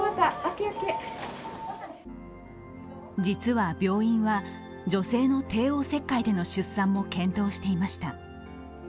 実は病院は女性の帝王切開での出産も検討していました。